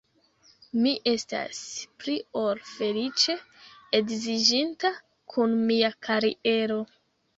Mi estas pli ol feliĉe edziĝinta kun mia kariero.